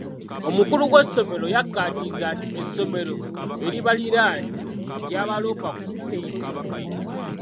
Omukulu w'essomero yakkaatiriza nti essomero eribaliraanye ly'abaloopa ku poliisi.